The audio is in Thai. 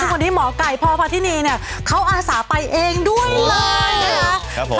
วันนี้หมอไก่พปฏิหนีพี่ปันสีวันนี้เขาอาศาไปด้วยเลย